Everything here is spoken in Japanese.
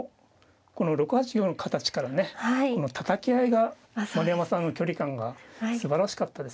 この６八玉の形からのねたたき合いが丸山さんの距離感がすばらしかったですね。